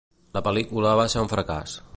La pel·lícula va ser un fracàs.